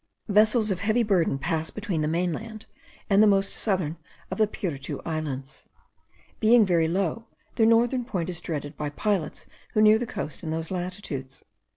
Vessels of heavy burthen pass between the main land and the most southern of the Piritu Islands. Being very low, their northern point is dreaded by pilots who near the coast in those latitudes.